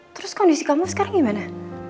terus kondisi kamu sekarang gimana